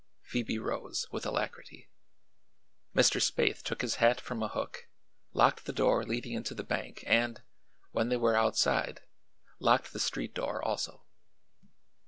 Phoebe rose with alacrity. Mr. Spaythe took his hat from a hook, locked the door leading into the bank and, when they were outside, locked the street door also.